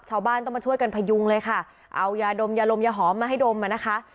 ชาวบ้านต้องมาช่วยกันพยุงเลยค่ะเอายาดมยาลมยาหอมมาให้ดมอ่ะนะคะ